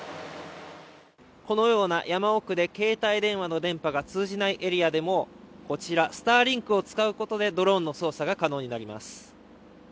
このような山奥で携帯電話の電波が通じないエリアでもこちら、スターリンクを使うことでドローンの操作が可能となります。